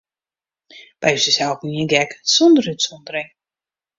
By ús is elkenien gek, sûnder útsûndering.